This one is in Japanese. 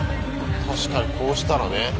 確かにこうしたらね。